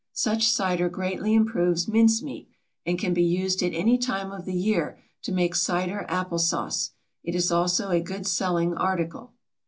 Such cider greatly improves mince meat, and can be used at any time of the year to make cider apple sauce. It is also a good selling article.